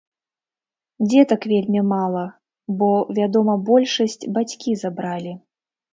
Дзетак вельмі мала, бо, вядома, большасць бацькі забралі.